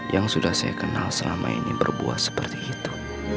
yang sudah saya kenal selama ini berbuah seperti itu